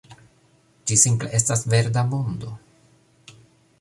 Ĝi simple estas verda mondo